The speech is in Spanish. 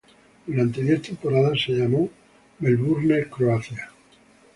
Durante diez temporadas se llamó "Melbourne Croatia".